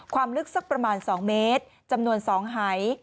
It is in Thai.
ลึกสักประมาณ๒เมตรจำนวน๒หาย